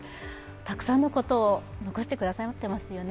たくさんのことを残してくださっていますよね。